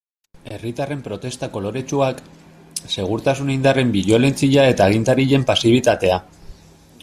Herritarren protesta koloretsuak, segurtasun indarren biolentzia eta agintarien pasibitatea.